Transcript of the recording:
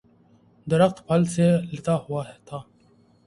درخت پھل سے لدا ہوا تھا